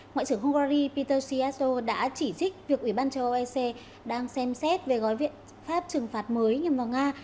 ngoại trưởng hungary peter shito đã chỉ trích việc ủy ban châu âu ec đang xem xét về gói viện pháp trừng phạt mới nhằm vào nga